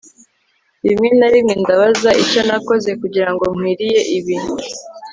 rimwe na rimwe ndabaza icyo nakoze kugirango nkwiriye ibi